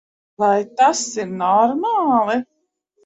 Vai tas ir normāli?